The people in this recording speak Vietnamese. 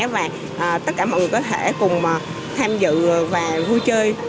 và tất cả mọi người có thể cùng tham dự và vui chơi